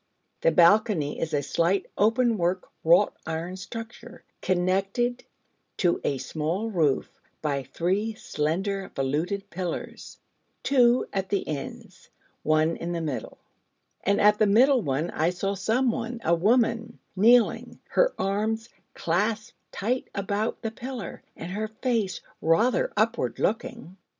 The balcony is a slight open work wrought iron structure, connected to a small roof by three slender voluted pillars, two at the ends, one in the middle: and at the middle one I saw someone, a woman kneeling her arms clasped tight about the pillar, and her face rather upward looking.